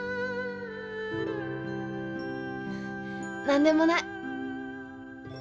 何でもない。